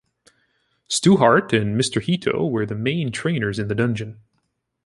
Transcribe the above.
Stu Hart and Mr. Hito were the main trainers in the Dungeon.